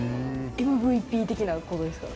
ＭＶＰ的なことですか？